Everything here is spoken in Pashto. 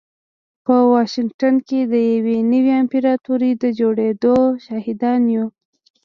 په واشنګټن کې د يوې نوې امپراتورۍ د جوړېدو شاهدان يو.